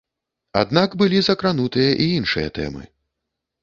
Аднак былі закранутыя і іншыя тэмы.